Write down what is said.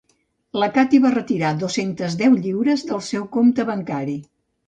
La Cathy va retirar dos-centes deu lliures del seu compte bancari